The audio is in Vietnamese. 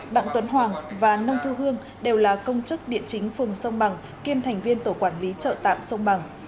đặng tuấn hoàng và nông thu hương đều là công chức địa chính phường sông bằng kiêm thành viên tổ quản lý chợ tạm sông bằng